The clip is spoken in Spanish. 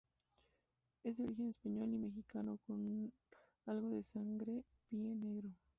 Es de origen español y mexicano, con algo de sangre Pie Negro.